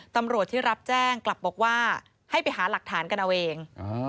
ตำรวจที่รับแจ้งกลับบอกว่าให้ไปหาหลักฐานกันเอาเอง